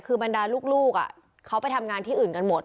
คือบรรดาลูกเขาไปทำงานที่อื่นกันหมด